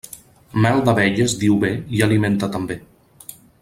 Mel d'abelles diu bé, i alimenta també.